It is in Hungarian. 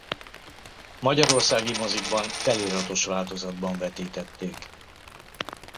Magyarországi mozikban feliratos változatban vetítették.